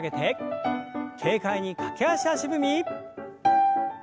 軽快に駆け足足踏み。